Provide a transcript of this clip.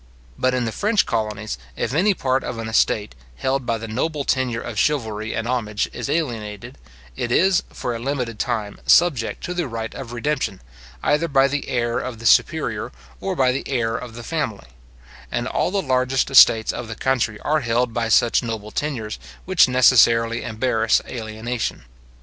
But, in the French colonies, if any part of an estate, held by the noble tenure of chivalry and homage, is alienated, it is, for a limited time, subject to the right of redemption, either by the heir of the superior, or by the heir of the family; and all the largest estates of the country are held by such noble tenures, which necessarily embarrass alienation.